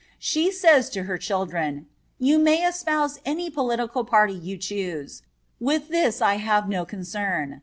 She says to her children: "You may espouse any political party you choose; with this I have no concern."